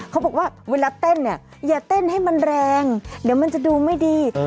เขาบอกว่าเวลาเต้นเนี่ยอย่าเต้นให้มันแรงเดี๋ยวมันจะดูไม่ดี